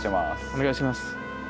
お願いします。